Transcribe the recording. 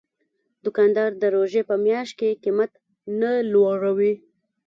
دوکاندار د روژې په میاشت کې قیمت نه لوړوي.